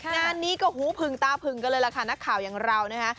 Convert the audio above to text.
งานนี้ก็หูผึงตาผึงกันเลยล่ะค่ะนักข่าวอย่างเรานะคะ